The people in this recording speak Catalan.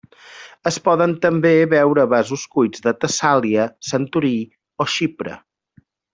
Es poden també veure vasos cuits de Tessàlia, Santorí o Xipre.